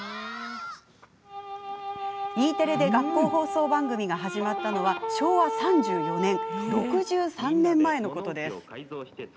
Ｅテレで学校放送番組が始まったのは昭和３４年、６３年前のこと。